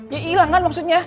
ya ilang kan maksudnya